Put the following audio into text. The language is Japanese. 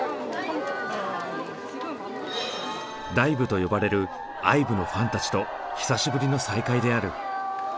ＤＩＶＥと呼ばれるＩＶＥのファンたちと久しぶりの再会である。